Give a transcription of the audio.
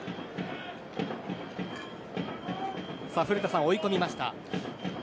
古田さん、追い込みました。